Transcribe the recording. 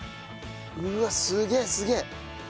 うわっすげえすげえ！